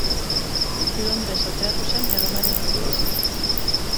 Londres aukeratu zen Erromaren ordez.